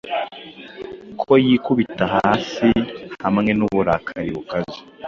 Ko yikubita hasi Hamwe nuburakari bukaze